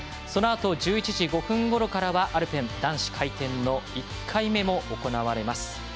そのあと１１時５分ごろからアルペン男子回転の１回目も行われます。